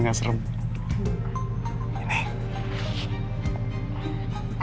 ini kenapa incapen selalu